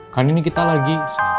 kan ini kita lagi